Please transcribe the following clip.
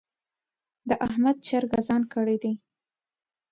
د احمد چرګ اذان کړی دی.